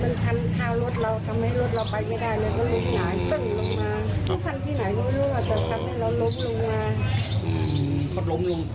อืมมันล้มลงคุณแม่ตอนนั้นช่วยหรือช่วยตัวเองอย่างไรครับ